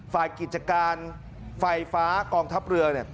ฝ่ายกิจการไฟฟ้ากองทัพเรือเนี่ย